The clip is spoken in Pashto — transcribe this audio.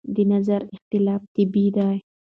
د نظر اختلاف طبیعي دی.